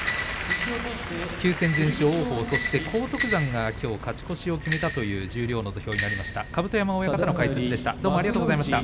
９戦全勝は王鵬そして荒篤山がきょう勝ち越しを決めた十両の土俵になりました。